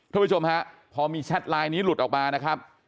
ผู้ชมฮะพอมีแชทไลน์นี้หลุดออกมานะครับ